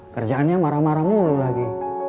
kerjaannya marah marah mulu lagi